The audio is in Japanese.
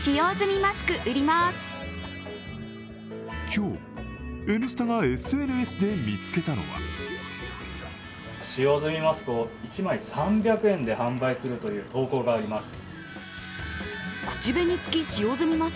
今日、「Ｎスタ」がＳＮＳで見つけたのは使用済みマスクを１枚３００円で販売するという投稿があります。